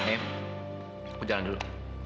aku jalan dulu